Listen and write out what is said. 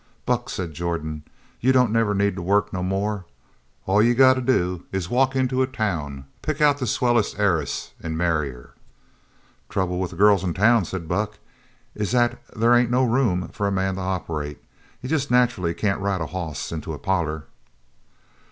"Buck," said Jordan, "you don't never need to work no more. All you got to do is to walk into a town, pick out the swellest heiress, an' marry her." "The trouble with girls in town," said Buck, "is that there ain't no room for a man to operate. You jest nacherally can't ride a hoss into a parlour."